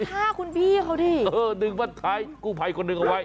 คุณดูท่าคุณพี่เค้าดิดึงบ้านท้ายกู้ไภ้คนอื่นเอาไว้